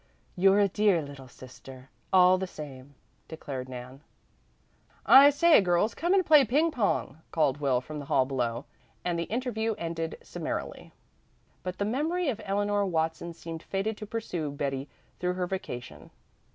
"You're a dear little sister, all the same," declared Nan. "I say girls, come and play ping pong," called Will from the hall below, and the interview ended summarily. But the memory of Eleanor Watson seemed fated to pursue Betty through her vacation.